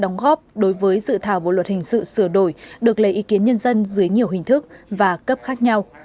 đóng góp đối với dự thảo bộ luật hình sự sửa đổi được lấy ý kiến nhân dân dưới nhiều hình thức và cấp khác nhau